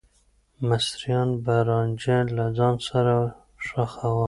مصريان به رانجه له ځان سره ښخاوه.